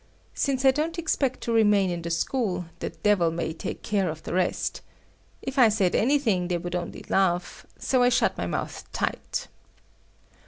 Since I don't expect to remain in the school, the devil may take care of the rest. If I said anything, they would only laugh; so I shut my mouth tight.